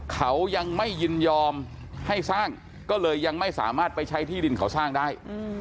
เขายังไม่ยินยอมให้สร้างก็เลยยังไม่สามารถไปใช้ที่ดินเขาสร้างได้